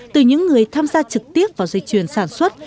từ những người tham gia trực tiếp vào dây chuyền sản xuất